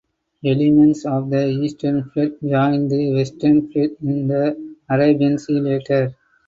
Elements of the Eastern Fleet joined the Western Fleet in the Arabian Sea later.